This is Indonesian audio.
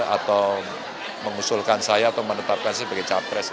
atau mengusulkan saya atau menetapkan saya sebagai capai